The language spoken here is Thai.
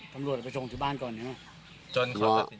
คำลวดเอาไปชงที่บ้านก่อนใช่ไหมครับ